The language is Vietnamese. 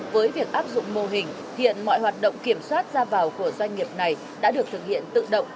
với việc áp dụng mô hình hiện mọi hoạt động kiểm soát ra vào của doanh nghiệp này đã được thực hiện tự động